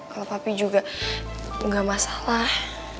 kalau papi juga nggak masalah